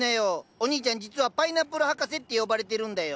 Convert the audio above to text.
おにいちゃん実はパイナップル博士って呼ばれてるんだよ。